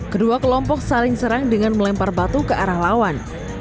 kedua kelompok saling serang dengan melempar batu ke arah lawan